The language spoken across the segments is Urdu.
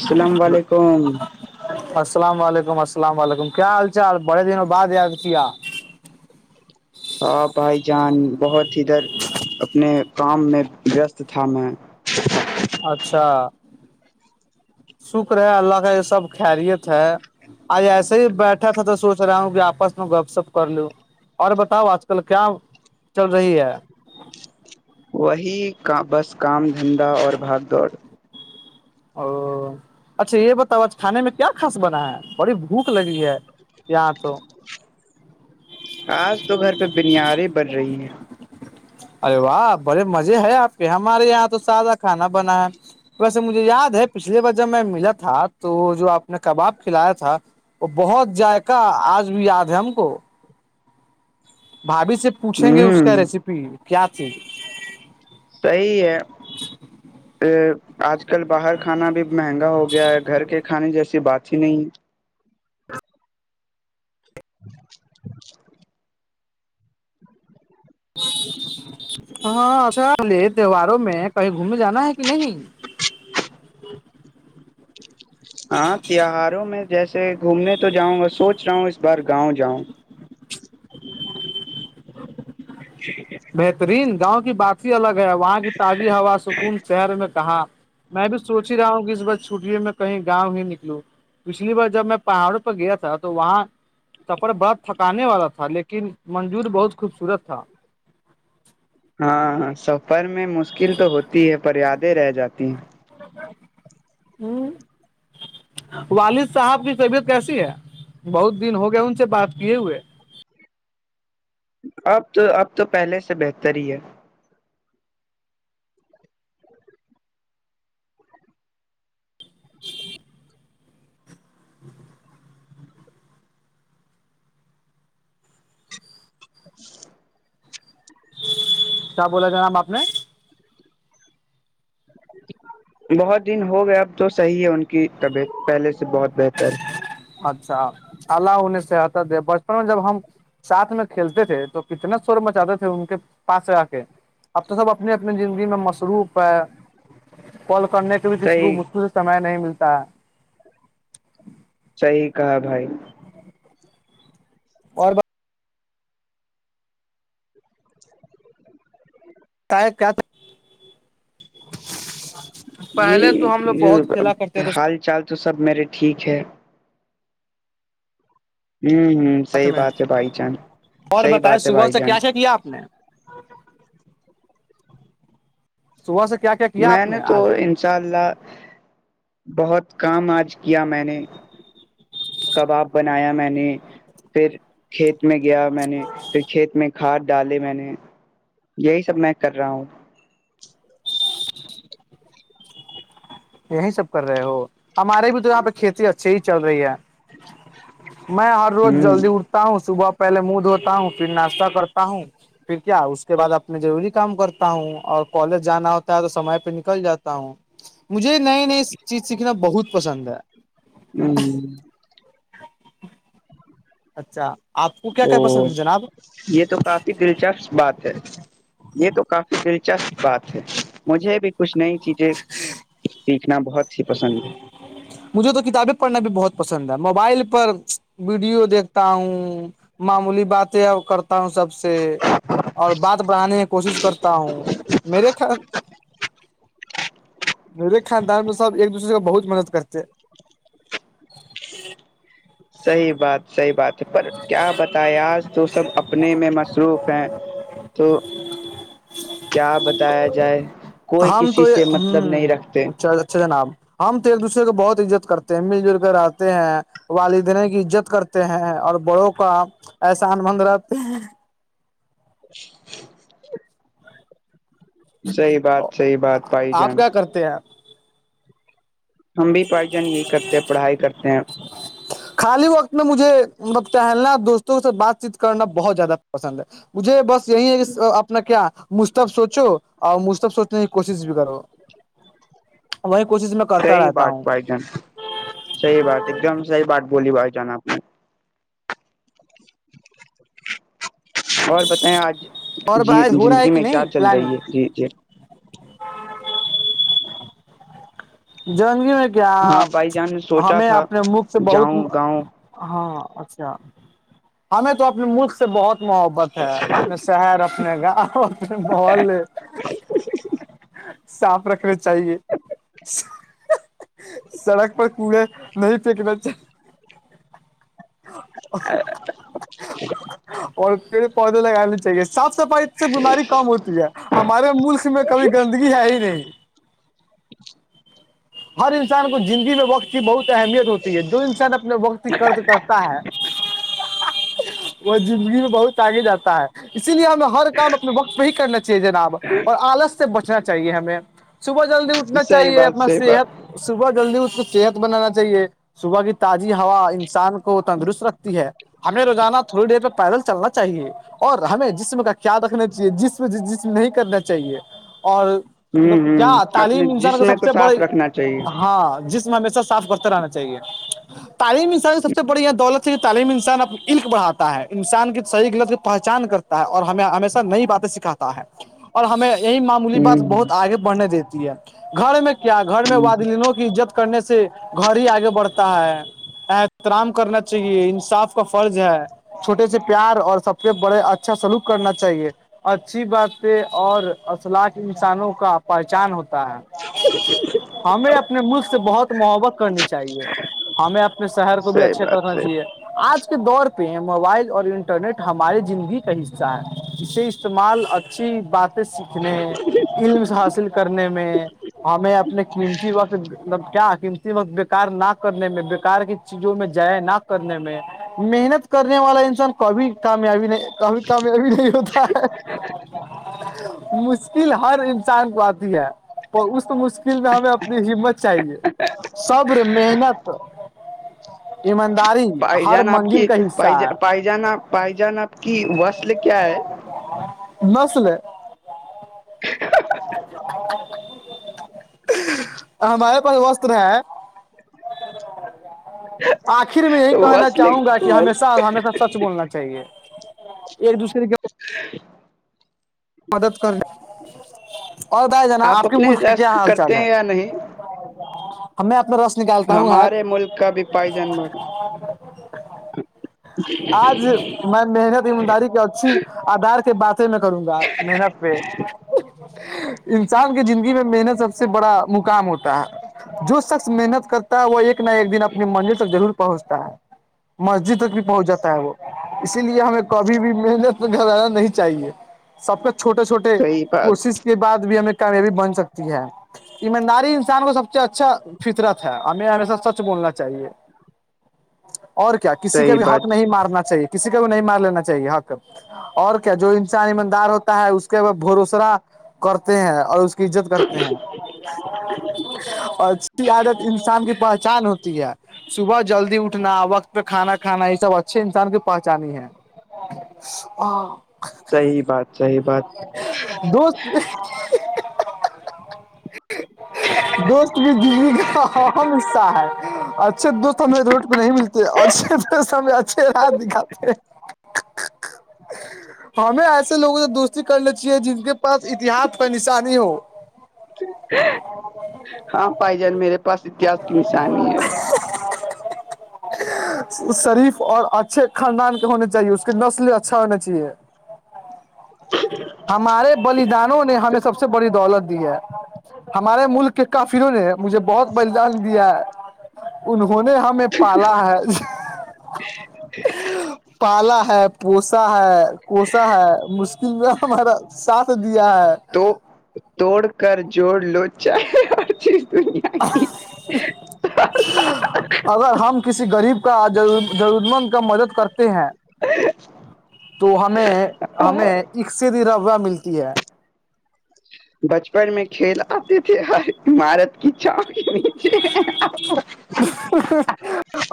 السلام علیکم السلام علیکم السلام علیکم کیا حال چال بڑے دنوں بعد یاد کیا آ بھائی جان بہت ادھر اپنے کام میں وست تھا میں اچھا شکر ہے اللہ ہے یہ سب خریت ہے آج ایسے ہی بیٹھا تھا تو سوچ رہا ہوں کہ آپس میں گپ سپ کر لو اور بتاؤ آج کل کیا چل رہی ہے وہی کا بس کام دھندا اور بھاگ دوڑ او اچھا یہ بتاؤ آج کھانے میں کیا کاص بنا ہے بڑی بھوک لگی ہے یہاں تو آج تو گھر پہ بنیاریں بڑھ رہی ہیں ارے واہ بڑے مزے ہے آپ کے ہمارے یہاں تو سادہ کھانا بنا ہے ویسے مجھے یاد ہے پچھلی بار جب میں ملا تھا تو وہ جو آپ نے کباب کھلایا تھا وہ بہت جائقہ آج بھی یاد ہے ہم کو بھاابھی سے ہیں پوچھیں گے اس کا ہوں ریسیپی کیا تھی صی ہے آج کل باہر کھانا بھی مہنگا ہو گیا ہے گھر کے کھانے جیسی بات ہی نہیں ہاں اچھا پلے تہواروں میں کہیں گھومنے جانا ہے کہ نہیں ہاں تیواروں میں جیسے گھومنے تو جاؤں گا سوچ رہا ہوں اس بار گاؤں جاؤں اھ بہترین گاؤں کی بات ہی الگ ہے وہاں کی تازی ہوا سکون شہر میں کہاں میں بھی سوچ ہی رہا ہوں کہ اس بار چھٹی میں کہیں گاؤں ہی نکلوں پچھلی بار جب میں پہاڑوں پہ گیا تھا تو وہاں تپر بڑت تھکانے والا تھا لیکن منجور بہت خوبصورت تھا ہاںاں سفر میں مشکل تو ہوتی ہے پر یادیں رہ جاتی ہیں ہوں والد صاحب کی طبیعت کیسی ہے بہت دن ہو گیا ان سے بات کیے ہوئے اب تو اب تو پہلے سے بہتر ہی ہے جی جی کیا بولا جانام آپ نے بہت دن ہو گیا اب تو صحیح ہے ان کی طبیعت پہلے سے بہت بہتر اچھا اللہ انہیں سحایتا دے بچپن میں جب ہم ساتھ میں کھیلتے تھے تو کتنا سور مچاتے تھے ان کے پاس آ کے اب تو سب اپنی اپنی زندگی میں مصروف ہے کل کرنے کے کسی کو صحیح مجکل سے سم نہیں ملتا صحیح کہا بھائی اور کیا جی پہلے تو ہم لوگ یہب بہت کھیلا کرتے تھے حال چال تو سب میرے ٹھیک ہے ہوں ہوں سھ صحیح میں بات ہے بھائی جان اور صحیح بتائے بات ہے صبح بھائی سے جان کیا چ کیا آپ نے صبح سے کیا کیا کیا میں آپ نے تو آج انشاء اللہ بہت کام آج کیا میں نے کباب بنایا میں نے پھر کھیت میں گیا میں نے پھر کھیت میں کھاد ڈالے میں نے یہی سب میں کر رہا ہوں یہی سب کر رہے ہو ہمارے بھی تو یہاں پہ کھیتی اچھی ہی چل رہی ہے میں ہر روز ہ جلدی اٹتا تا ہوں صبح پہل منہ دھوتا ہوں پھر ناشتہ کرتا ہوں پھر کیا اس کے بعد اپنے ضروری کام کرتا ہوں اور کالج جانا ہوتا ہے تو سمے پہ نکل جاتا ہوں مجھے نئی نئی چیز سیکھنا بہت پسند ہے ہوں اچھا آپ کو کیا کیا او پسند ہے جناب یہ تو کافی دلچسپ بات ہے یہ تو کافی دلچسپ بات ہے مجھے بھی کچھ نئی چیزیں سیکھنا بہت ہی پسند ہے مجھے تو کتابیں پڑھنا بھی بہت پسند ہے موبائل پر ویڈیو دیکھتا ہوں معمولی باتیں اور کر ہوں سب سے اور بات بڑھانے کی کوشش کرتا ہوں میرے خیال نہیں توے خان ہے سب ایک دوسرے کو بہت مدد کرتے صحیح بات صحیح بات ہے پر کیا بتائے آج تو سب اپنے میں مصروف ہے کہ کیا بتایا جائے کوئی کسی سے مطلب نہیں رکھتے اچھ جناب ہم تو ایک دوسرے کو بہت عزت کرتے ہیں مل جل کر آتے ہیں والدین کی عزت کرتے ہیں اور بڑوں کا احسان مند رہتے ہیں صحی بات صحیح بات بھائی آپ جان کیا کرتے ہیں آپ ہم بھی پائی جان یہی کرتے ہیں پڑھائی کرتے ہیں خالی وقت میں مجھے مطلب ٹہلنا دوستوں سے بات چیت کرنا بہت زیادہ پسند ہے مجھے بس یہی ہے کہ اپنا کیا مشب سوچو اور مستب سوچنے کی کوشش بھی کرو وہی کوشش میں کرتا رہتا ہوں سی بات ایک دم سی بات بوللی بائی جان آپ نے اور بتائیں آج اور جی بحث ہو رہا ہے زندگی کہ میں کیا چل رہی ہے جی جی ہاں جندگی میں کیا ہاں بھائی جان نے سوچا ہمیں تھا اپنے مکھ سے بہت جاؤں گاؤں ہاں اچھا ہمیں تو اپنے ملک بہت محبت ہے اپنے شہر اپ اپنا گاؤں اپنے ماحول صاف رکھنے چاہیے سڑک پر کوڑے نہیں پھیکنے چاہ اور پڑے پودے لگانے چاہیے صاف صفائی سے بیماری کم ہوتی ہے ہمارے ملک میں کبھی گندگی ہے ہی نہیں ہر انسان کو زندگی میں وقت کی بہت اہمیت ہوتی ہے جو انسان اپنے وقت کی کرتے ستا ہے وہ زندگی میں بہت آگے جاتا ہے اسی لیے ہمیں ہر کام اپنے وقت پہ ہی کرنا چاہیے جناب اور آلس سے بچنا چاہیے ہمیں صبح جلدی اٹھنا صحیح چاہیے بات اپنا صحیح بات صحت صبح جلدی اس کو صحت بنانا چاہیے صبح کی تازی ہوا انسان کو تندرست رکھتی ہے ہمیں روزانہ تھوڑی دیر پہ پیدل چلنا چاہیے اور ہمیں جسم کا کیایا رکھنا چاہیے جسم جسم نہیں کرنا چاہیے اور مطلب ہوں کیا ہوں اپنے تعلیم انسان کا جسم سب کو سے صاف بڑی رکھنا چاہیے ہاں جس میں ہمیشہ کرتے رہنا چاہیے تعلیمی حسال سب سے بڑی دولت تعلیمی انسان اپنی عق بھاتا ہے انسان کی صحیح گلت کی پہچان کرتا ہے اور ہمیں ہمیشہ نئی بات سکھاتا ہے ہمیں یہی معمولی بات ہوں بہت آگے بڑھنے دیتی ہے گھر میں کیا گھر میں وادلینوں سے کی عزت کرنے سے گھر ہی آگے بڑھتا ہے احترام کرنا چاہیے انصاف کا فرض ہے چھوٹے سے پیار اور سب سے بڑے اچھا سلوک کرنا چاہیے اچھی بات ہے اور الاق انسانوں کا پہچان ہوتا ہے ہمیں اپنے ملک سے بہت محبت کرنی چاہیے ہمیں اپنے شہر کو بھی صحیح اچھا بات کرنا صحیح چاہیے آج کے دور پہ موبائل اور انٹرنیٹ ہمارے زندگی کا حصہ ہے اس سے اس استعمال اچھی باتیں سیکھنے علم حاصل کرنے میں ہمیں اپنے قیمتی وقت مطلب کیا قیمتی وقت بیکار نہ کرنے میں بےیکار کی چیزوں میں جائے نہ کرنے میں محنت کرنے والا انسان کبھی کامیابی نہیں توبھی تم بھی نہیں ہوتا ہے مشکل ہر انسان کو آتی ہے تو اس مشکل میں ہمیں اپنی ہمت چاہیے صبر محنت ایمانداری ہر منزل کہیں پا پائ جانا پائ جان کی وسل کیا ہے نسلے ہمارے پاس وس ہے آخر میں یہی کہنا وصل چاہوں گا کہ ہمیشہ ہمیشہ سچ بولنا چاہیے ایک دوسرے کے ہ مدد کر ل اور بتائی جناا آپ کے اپنے ملک کا کیا رسک حال چال کرتے ہے ہیں یا نہیں ج ج ہمارے ملک کا بھی پائی جان ب آج میں محنت ایمانداری کے اچھی آدار کے باتے میں کروں گا محنت پہ انسان کے زندگی میں محنت سب سے بڑا مقام ہوتا جو شخص محنت کرتا ہے وہ ایک نہ ایک دن اپنی منزل تک ضرور پہنچتا ہے مسجد تک بھی پہنچ جاتا ہے وہ اسی لیے ہمیں کبھی بھی محنت کرانا نہیں چاہیے سب کے چھوٹے چھوٹے صحیح بات کوشش کے بعد بھی ہمیں کامیابی بن سکتی ہے ایمانداری انسان کو سب سے اچھا فطرت ہے ہمیں ہمیشہ سچ بولنا چاہیے اور کیا کسی کا صحیح بھی حق بات نہیں مارنا چاہیے کسی کا بھی نہیں مار لینا چاہیے حق اور کیا جو انسانی م دار ہوتا ہے اس کے وہ بھروسرا کرتے ہیں اور اس کی عزت کرتے ہیں اور اچھی عادت انسان کی پہچان ہوتی ہے صبح جلدی اٹھنا وقت پہ کھانا کھانا یہ سب اچھے انسان کی پہچانی ہے ا صحیح بات صحیح بات دوست دوست بھی جی کا اہم حصہ ہے اچھے دوست ہمیں روڈ پہ نہیں ملتے اھے دوست ہم اچھے رات دکھاتے ہمیں ایسے لوگوں سے دوست کر لی چاہے جن کے پاس اتحس کا نشانی ہی ہو ہاں بھائی جان میرے پاس اتحس کی نشانی ہی ہے شریف اور اچھے خاندان کے ہونے چاہیے اس کے نسل اچھا ہونا چاہیے ہمارے بلدانوں نے ہمیں سب سے بڑی دولت دی ہے ہمارے ملک کے کافروں نے مجھے بہت بلدان دیا ہے انہوں نے ہمیں پالا ہے پالا ہے پوسا ہے ا ہے مشکل میں ہمارا ساتھ دیا ہے تو توڑ کر جوڑ لو چاہ اگر ہم کسی گریب کا ضرور مند کا مدد کرتے ہیں تو ہمیں ہمیں حصے دی روا ملتی ہے بچپن میں کھیل آتے تھے ہر عمارت کی چھاپ کے نیچے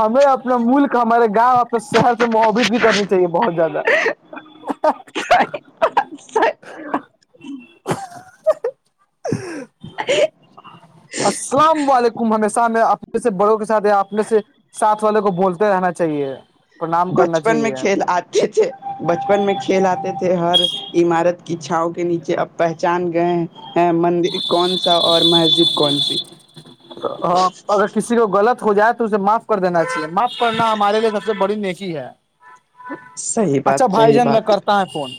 ہمیں اب اپنا ملک ہمارے گاؤں اپنے شہر سے محبت بھی کرنی چاہیے بہت زیادہ [inaudible] ہی السلام علیکم ہمیشہ میں اپنے سے بڑوں کے ساتھ یا اپنے سے ساتھ والوں کو بولتے رہنا چاہیے پرنام کرنا بچپن میں چاہیے کھیل آتے تھے بچ بچپن میں کھیل آتے تھے ہر عمارت کیچ چاؤں کے نیچے اب پہچان گئے ا مندر کون سا اور مسجد کون سی ہاں اگر کسی کو غلط ہو جائے تو اسے معاف کر دینا چاہیے ماپ پڑھنا ہمارے لیے سب سے بڑی نیکی ہے صحیح اچھا بات بھائی صحیح جان میں بات کرتا ہے فون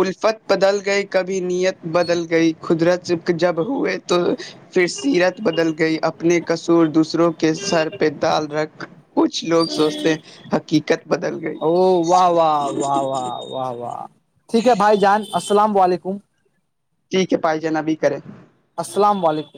الفت بدل گئی کبھی نیت بدل گئی قدرت جب ہوئے تو پھر سیرت بدل گئی اپنے قصور دوسروں کے سر پہ دال رکھ کچھ لوگ سوچتے ہیں حقیقت بدل گئی او واہ واہ واہ واہ واہ واہ ٹھیک ہے بھائی جان السلام و علیکم ٹھیک ہے پائ جے ناب بھی کرے السلام علیکم